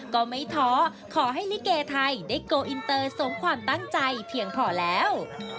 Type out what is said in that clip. ก็ไม่ท้อขอให้ลิเกไทยได้โกลอินเตอร์สมความตั้งใจเพียงพอแล้ว